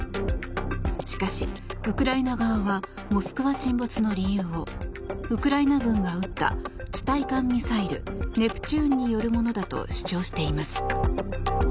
しかし、ウクライナ側は「モスクワ」沈没の理由をウクライナ軍が撃った地対艦ミサイルネプチューンによるものだと主張しています。